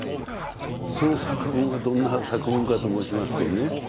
その作文はどんな作文かと申しますとね